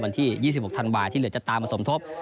วันที่๒๖ธันวาที่เหลือจะตามมาสมทบ